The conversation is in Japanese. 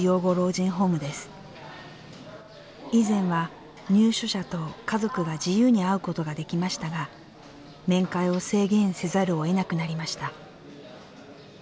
以前は入所者と家族が自由に会うことができましたが面会を制限せざるをえなくなりました。